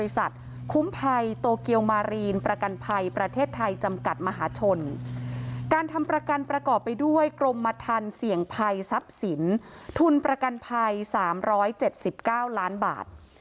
เสี่ยงภัยทรัพย์สินทุนประกันภัย๓๗๙ล้านบาท